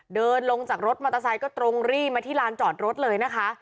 เดินลงจากรถมอเตอร์ไซค์ก็ตรงรี่มาที่ลานจอดรถเลยนะคะ